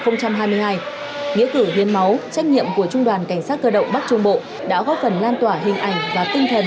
nghĩa cử hiến máu trách nhiệm của trung đoàn cảnh sát cơ động bắc trung bộ đã góp phần lan tỏa hình ảnh và tinh thần